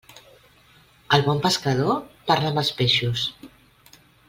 El bon pescador parla amb els peixos.